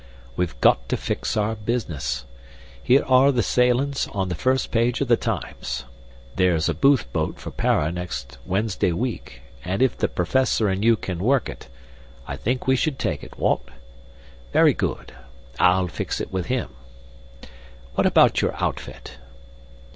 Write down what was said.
We've got to fix our business. Here are the sailin's, on the first page of the Times. There's a Booth boat for Para next Wednesday week, and if the Professor and you can work it, I think we should take it what? Very good, I'll fix it with him. What about your outfit?"